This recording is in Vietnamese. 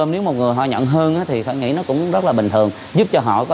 nếu mà nhân vật đó chưa cho phép